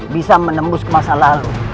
bisa menembus ke masa lalu